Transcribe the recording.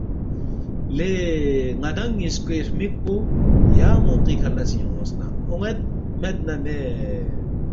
”لے ن٘دانگ نِ٘یسکوے ہرمِک پو یا موقعی کھہ لسِنگ اونگس نہ اون٘ید مید نہ مید